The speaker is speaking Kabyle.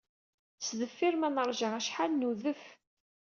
Sdeffir ma neṛja acḥal, nudef.